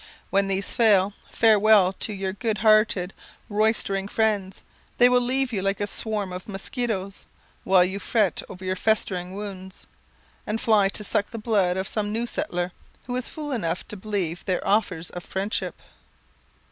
When these fail, farewell to your good hearted, roystering friends; they will leave you like a swarm of musquitoes, while you fret over your festering wounds, and fly to suck the blood of some new settler, who is fool enough to believe their offers of friendship.